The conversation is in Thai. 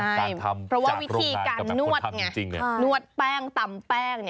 การทำจากโรงงานกับคนทำจริงนะครับใช่เพราะว่าวิธีการนวดนวดแป้งตำแป้ง